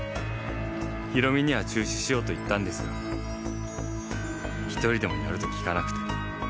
弘美には中止しようと言ったんですが一人でもやるときかなくて。